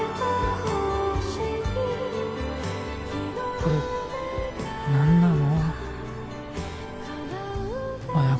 これ何なの？